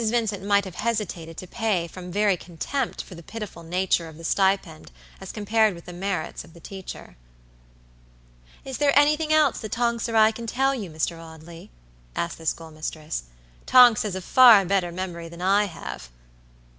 Vincent might have hesitated to pay from very contempt for the pitiful nature of the stipend as compared with the merits of the teacher. "Is there anything else that Tonks or I can tell you, Mr. Audley?" asked the schoolmistress. "Tonks has a far better memory than I have."